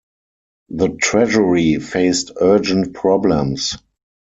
The Treasury faced urgent problems.